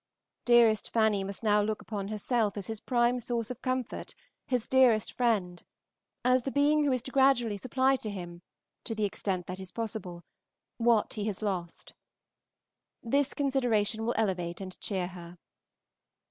Dearest Fanny must now look upon herself as his prime source of comfort, his dearest friend; as the being who is gradually to supply to him, to the extent that is possible, what he has lost. This consideration will elevate and cheer her.